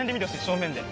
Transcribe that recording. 正面で？